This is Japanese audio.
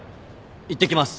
いってきます。